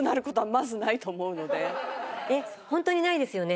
えっホントにないですよね。